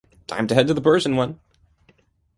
Time to head to the Persian one!